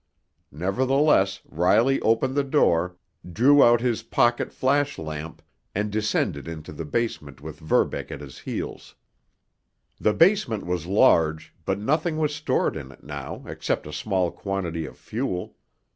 Nevertheless, Riley opened the door, drew out his pocket flash lamp, and descended into the basement with Verbeck at his heels. The basement was large, but nothing was stored in it now except a small quantity of fuel.